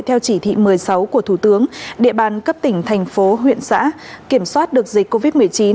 theo chỉ thị một mươi sáu của thủ tướng địa bàn cấp tỉnh thành phố huyện xã kiểm soát được dịch covid một mươi chín